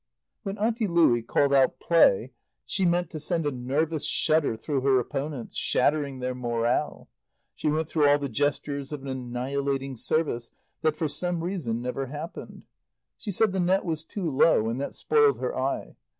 When Auntie Louie called out "Play!" she meant to send a nervous shudder through her opponents, shattering their morale. She went through all the gestures of an annihilating service that for some reason never happened. She said the net was too low and that spoiled her eye.